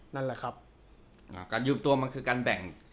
นั่นแหละครับการยืมตัวมันคือการแบ่ง